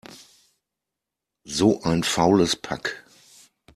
So ein faules Pack!